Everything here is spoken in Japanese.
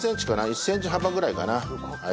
１センチ幅ぐらいかな。